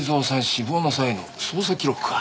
死亡の際の捜査記録か。